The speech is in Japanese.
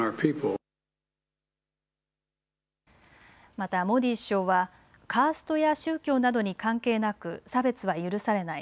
またモディ首相はカーストや宗教などに関係なく差別は許されない。